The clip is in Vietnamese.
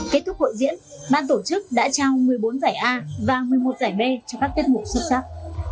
kết thúc hội diễn ban tổ chức đã trao một mươi bốn giải a và một mươi một giải b cho các tiết mục xuất sắc